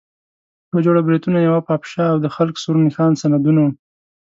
یوه جوړه بریتونه، یوه پاپشه او د خلق سور نښان سندونه وو.